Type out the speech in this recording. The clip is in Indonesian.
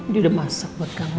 ini udah masak buat kamu